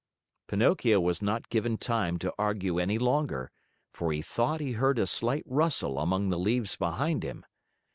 .." Pinocchio was not given time to argue any longer, for he thought he heard a slight rustle among the leaves behind him.